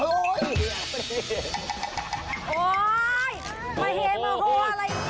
โหยมาเฮมาโหอะไรอย่างนี้